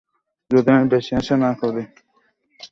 যদি আমি বেশি আশা না করি, তাহলে তুমি কখনোই হতাশ হবে না।